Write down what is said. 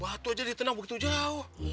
wah itu aja ditenang begitu jauh